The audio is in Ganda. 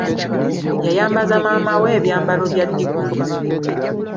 Yayambaza maama we ebyambalo bya diguli.